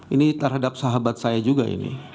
ini terhadap sahabat saya juga ini